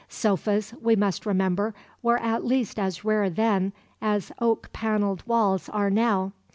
Sofas, we must remember, were at least as rare then as oak panelled walls are now.